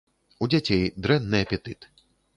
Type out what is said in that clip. У дзяцей дрэнны апетыт.